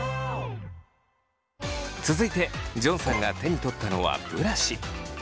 続いてジョンさんが手に取ったのはブラシ。